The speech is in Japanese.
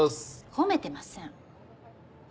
褒めてません。